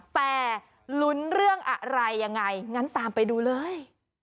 แต่ลุ้นเรื่องอะไรยังไงงั้นตามไปดูเลย